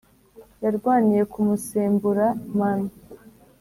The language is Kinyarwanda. yarwaniye ku musembura-mano.